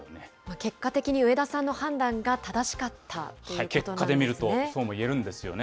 結果的に植田さんの判断が正しかったということなんですね。